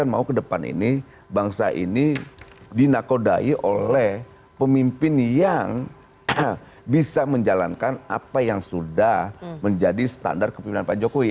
mau ke depan ini bangsa ini dinakodai oleh pemimpin yang bisa menjalankan apa yang sudah menjadi standar kepimpinan pak jokowi